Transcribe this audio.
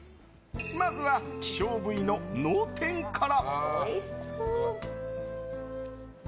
まずは希少部位の脳天から。